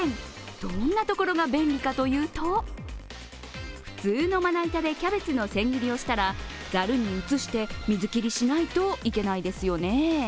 どんなところが便利かというと普通のまな板でキャベツの千切りをしたらざるに移して水切りしないといけないですよね。